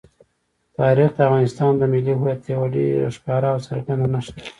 تاریخ د افغانستان د ملي هویت یوه ډېره ښکاره او څرګنده نښه ده.